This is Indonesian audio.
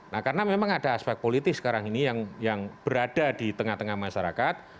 nah karena memang ada aspek politis sekarang ini yang berada di tengah tengah masyarakat